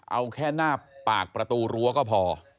เอาแค่หน้าปากประตูรั้วก็พอ